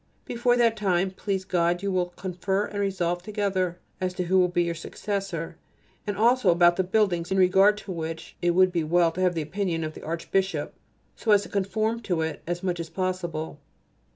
Before that time, please God you will confer and resolve together as to who is to be your successor, and also about the buildings in regard to which it would be well to have the opinion of the Archbishop so as to conform to it as much as possible....